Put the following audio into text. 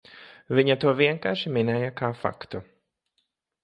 Viņa to vienkārši minēja kā faktu.